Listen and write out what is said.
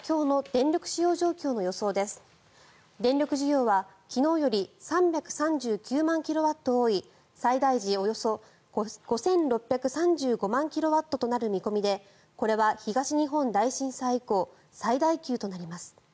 電力需要は昨日より３３９万キロワット多い最大時およそ５６３５万キロワットとなる見込みでこれは東日本大震災以降最大級となります。